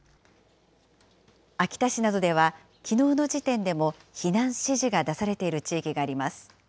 秋田市などでは、きのうの時点でも避難指示が出されている地域があります。